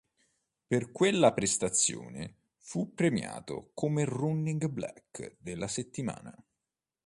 Per quella prestazione fu premiato come running back della settimana.